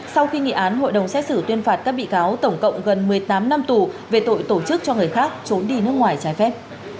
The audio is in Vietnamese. sau khi nghị án hội đồng xét xử tuyên phạt các bị cáo tổng cộng gần một mươi tám năm tù về tội tổ chức cho người khác trốn đi nước ngoài trái phép